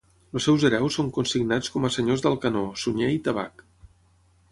Els seus hereus són consignats com a senyors d'Alcanó, Sunyer i Tabac.